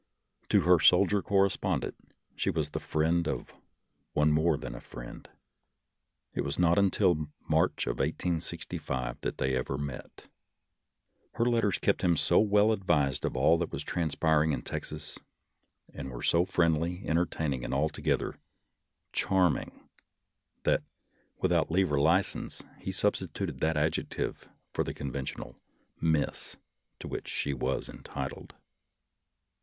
To her soldier correspondent she was the friend of one more than a friend. It was not until March of 1865 that they ever met. Her letters kppt him so well advised of all that was transpiring in Texas, and were so friendly, entertaining, and altogether " charming," that, without leave or license, he substituted that adjective for the con ventional " Miss " to which she was entitled.